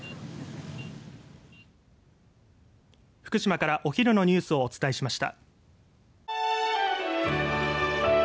福島からお昼のニュースをお伝えしました。